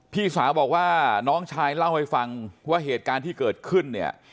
พี่สาวบอกว่าน้องชายเล่าให้ฟังว่าเหตุการณ์ที่เกิดขึ้นเนี่ย